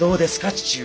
父上。